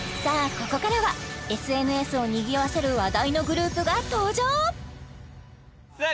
ここからはＳＮＳをにぎわせる話題のグループが登場さあ